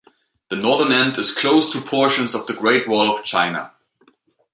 The northern end is close to portions of the Great Wall of China.